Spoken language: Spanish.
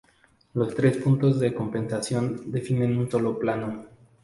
Los tres puntos de compensación definen un solo plano.